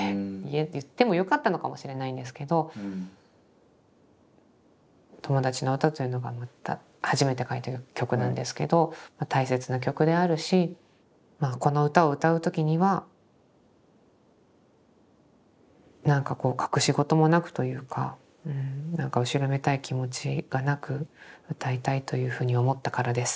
言ってもよかったのかもしれないんですけど「『友達の詩』というのが初めて書いてる曲なんですけど大切な曲であるしまあこの歌を歌う時にはなんかこう隠し事もなくというかなんか後ろめたい気持ちがなく歌いたいというふうに思ったからです」